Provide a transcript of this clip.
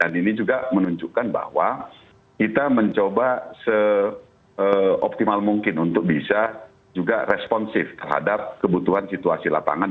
dan ini juga menunjukkan bahwa kita mencoba seoptimal mungkin untuk bisa juga responsif terhadap kebutuhan situasi latar belakang